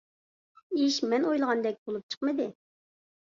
ئىش مەن ئويلىغاندەك بولۇپ چىقمىدى.